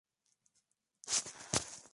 Ambas apoyaban a los Nacionalistas.